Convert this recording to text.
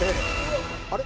あれ？